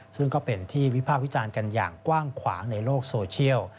ซึ่งก็เป็นที่วิภาควิจารณ์กันอย่างกว้างขวางในโลกโซเชียล